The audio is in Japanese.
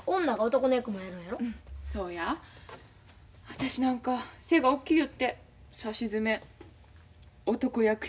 私なんか背が大きいよってさしずめ男役やろな。